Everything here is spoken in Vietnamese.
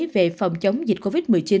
về phòng chống dịch covid một mươi chín